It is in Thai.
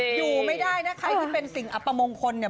อยู่ไม่ได้นะใครที่เป็นสิ่งอัปมงคลเนี่ย